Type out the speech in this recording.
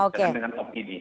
jangan dengan opini